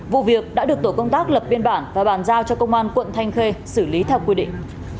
vụ việc đã được tổ công tác lập biên bản và bàn giao cho công an quận thanh khê xử lý theo quy định